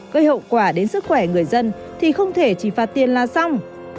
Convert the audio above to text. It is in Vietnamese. gây hậu quả đến sức khỏe người dân thì không thể chỉ phạt tiền là xong